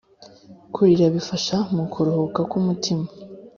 Kurira bifasha mukuruhuka ku mutima